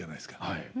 はい。